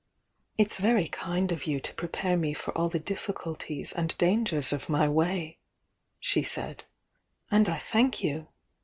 "It's very kind of you to prepare me for all the diflficulties and dangers of ray way," she said. "And I thank you